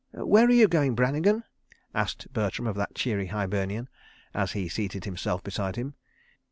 "Where are you going, Brannigan?" asked Bertram of that cheery Hibernian, as he seated himself beside him.